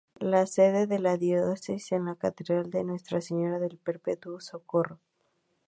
La sede de la Diócesis es la Catedral de Nuestra Señora del Perpetuo Socorro.